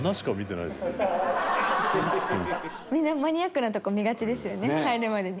みんなマニアックな所見がちですよね入るまでに。